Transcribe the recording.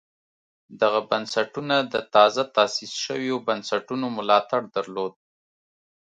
دغه بنسټونه د تازه تاسیس شویو بنسټونو ملاتړ درلود